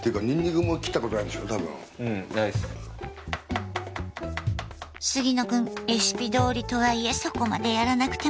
っていうか杉野くんレシピどおりとはいえそこまでやらなくても。